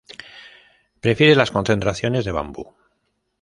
Prefiere las concentraciones de bambú.